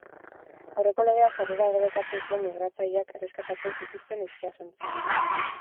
Aurreko legeak sarrera debekatzen zien migratzaileak erreskatatzen zituzten itsasontziei.